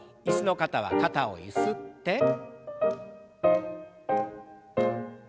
椅子の方は肩をゆすって。